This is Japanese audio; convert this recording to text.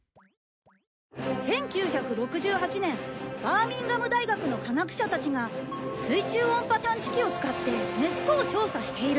１９６８年バーミンガム大学の科学者たちが水中音波探知機を使ってネス湖を調査している。